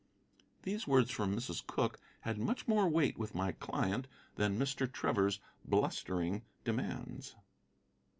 These words from Mrs. Cooke had much more weight with my client than Mr. Trevor's blustering demands.